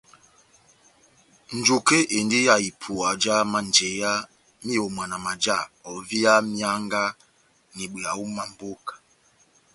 Njuke endi ya ipuwa já manjeya m'iyomwana maja ovia mianga n'ibweya ó mamboka.